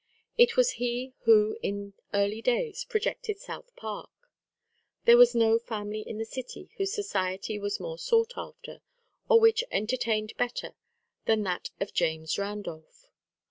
It was he who, in early days, projected South Park. There was no family in the city whose society was more sought after, or which entertained better, than that of James Randolph.